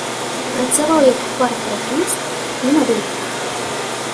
Працаваў як партрэтыст і медальер.